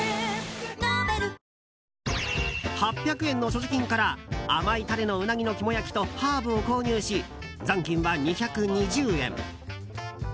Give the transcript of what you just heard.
８００円の所持金から甘いタレのウナギの肝焼きとハーブを購入し残金は２２０円。